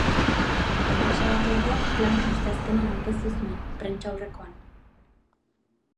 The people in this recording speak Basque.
Enpresa-batzordeak plana asteazkenean aurkeztu zuen, prentsaurrekoan.